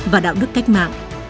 và đạo đức cách mạng